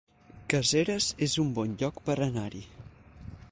Caseres es un bon lloc per anar-hi